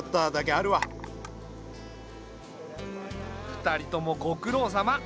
２人ともご苦労さま。